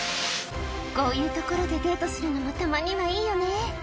「こういう所でデートするのもたまにはいいよね」